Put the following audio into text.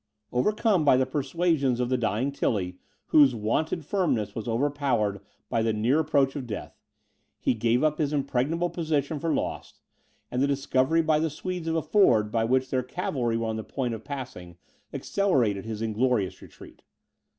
Overcome by the persuasions of the dying Tilly, whose wonted firmness was overpowered by the near approach of death, he gave up his impregnable position for lost; and the discovery by the Swedes of a ford, by which their cavalry were on the point of passing, accelerated his inglorious retreat.